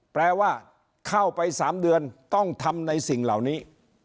แปลว่าเข้าไป๓เดือนต้องทำในสิ่งเหล่านี้